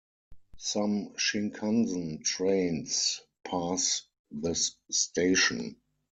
Some Shinkansen trains pass this station.